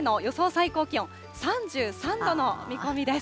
最高気温３３度の見込みです。